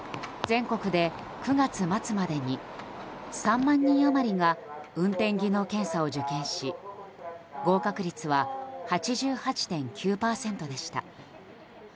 全国で９月末までに３万人余りが運転技能検査を受験し合格率は８８．９％でした。